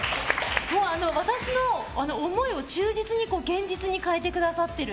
私の思いを忠実に現実に変えてくださってる。